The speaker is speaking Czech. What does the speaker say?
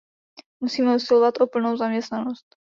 Musíme usilovat o plnou zaměstnanost.